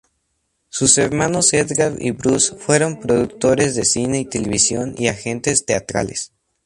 Sus hermanos Edgar y Bruce fueron productores de cine y televisión y agentes teatrales.